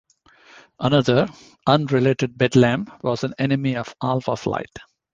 Another, unrelated Bedlam was an enemy of Alpha Flight.